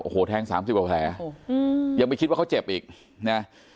โอ้โหแทงสามสิบกว่าแผลยังไม่คิดว่าเขาเจ็บอีกนะ